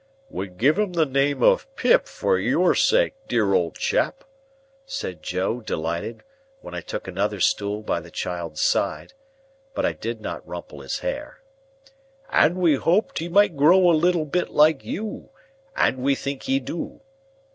"We giv' him the name of Pip for your sake, dear old chap," said Joe, delighted, when I took another stool by the child's side (but I did not rumple his hair), "and we hoped he might grow a little bit like you, and we think he do."